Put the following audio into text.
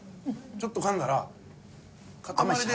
ちょっと噛んだら塊で。